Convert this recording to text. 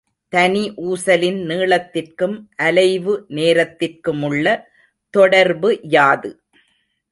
தனி ஊசலின் நீளத்திற்கும் அலைவு நேரத்திற்குமுள்ள தொடர்பு யாது?